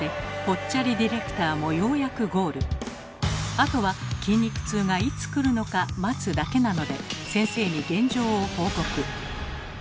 あとは筋肉痛がいつくるのか待つだけなので先生に現状を報告。